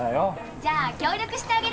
じゃあ協力してあげる。